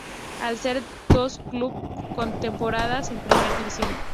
Al ser los dos clubes con más temporadas en primera división.